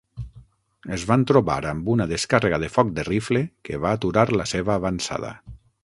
Es van trobar amb una descàrrega de foc de rifle que va aturar la seva avançada.